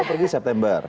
kalo pergi september